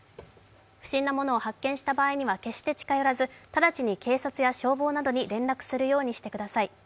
不審なものを発見した場合には決して近寄らず、直ちに警察や消防などに連絡するようにしてください。